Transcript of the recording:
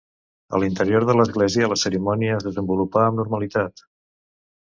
A l'interior de l'església la cerimònia es desenvolupa amb normalitat.